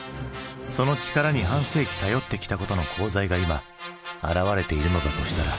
その力に半世紀頼ってきたことの功罪が今現れているのだとしたら。